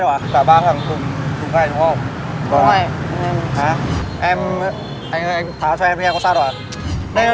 chất bà tí này thì bây giờ